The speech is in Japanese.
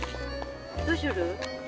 どうする？